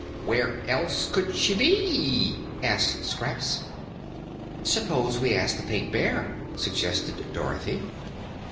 "Where else could she be?" asked Scraps. "Suppose we ask the Pink Bear," suggested Dorothy.